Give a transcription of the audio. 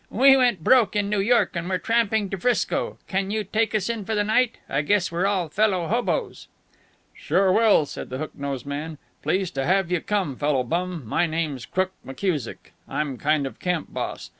We went broke in New York and we're tramping to 'Frisco. Can you take us in for the night? I guess we're all fellow hoboes." "Sure will," said the hook nosed man. "Pleased to have you come, fellow bum. My name's Crook McKusick. I'm kind of camp boss.